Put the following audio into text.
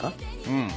うん。